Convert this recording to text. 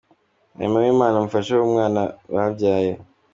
Aime Uwimana, umufasha we n'umwana babyaye.